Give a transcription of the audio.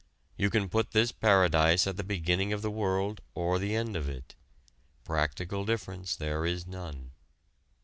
You can put this Paradise at the beginning of the world or the end of it. Practical difference there is none.